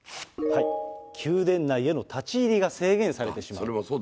宮殿内への立ち入りが制限されてしまう。